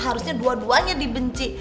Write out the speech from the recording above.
harusnya dua duanya dibenci